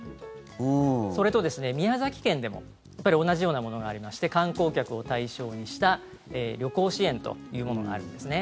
それと、宮崎県でも同じようなものがありまして観光客を対象にした旅行支援というものがあるんですね。